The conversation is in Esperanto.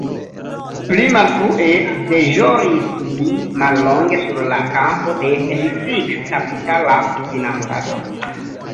Pli malfrue deĵoris li mallonge sur la kampo de risikkapitala financado.